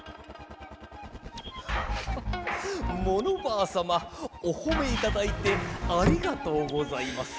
はぁっはモノバアさまおほめいただいてありがとうございます。